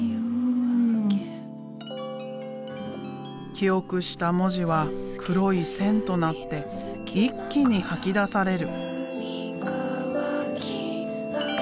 記憶した文字は黒い線となって一気に吐き出される。